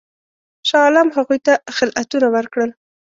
شاه عالم هغوی ته خلعتونه ورکړل.